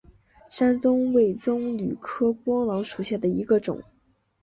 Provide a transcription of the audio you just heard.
山棕为棕榈科桄榔属下的一个种。